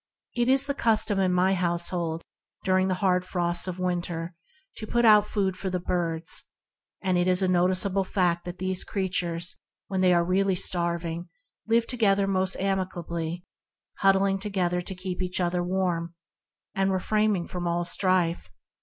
It is the custom of some households dur ing the hard frosts of winter to put out food for the birds; and it is a noticeable fact that these creatures when really starving live together most amicably, huddling together to keep one another warm and refraining from all strife.